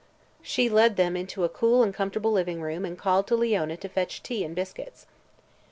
She led them into a cool and comfortable living room and called to Leona to fetch tea and biscuits.